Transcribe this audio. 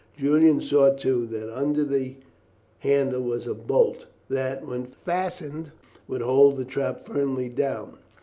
Julian saw, too, that under the handle was a bolt that, when fastened, would hold the trap firmly down.